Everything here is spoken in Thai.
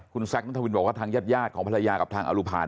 คุณแซคนัทวินบอกว่าทางญาติของภรรยากับทางอรุภาน